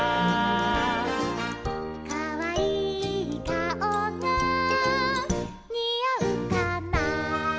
「かわいい顔がにあうかな」